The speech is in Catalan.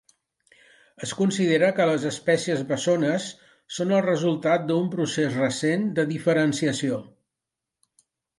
Es considera que les espècies bessones són el resultat d'un procés recent de diferenciació.